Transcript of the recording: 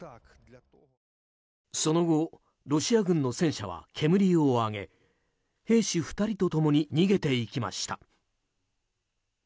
その後、ロシア軍の戦車は煙を上げ兵士２人と共に逃げていきました。